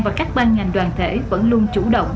và các ban ngành đoàn thể vẫn luôn chủ động